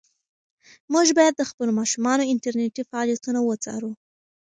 موږ باید د خپلو ماشومانو انټرنيټي فعالیتونه وڅارو.